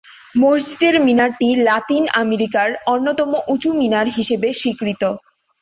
মসজিদের মিনারটি লাতিন আমেরিকার অন্যতম উঁচু মিনার হিসেবে স্বীকৃত।